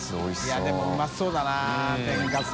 いやでもうまそうだな天かす。